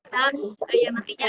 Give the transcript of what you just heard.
dan ya nantinya